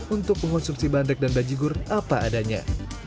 untuk mengonsumsi bandrek dan bajigur apa adanya